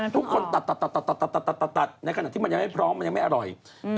ทุกคนตัดในขณะที่มันยังไม่พร้อมมันยังไม่อร่อย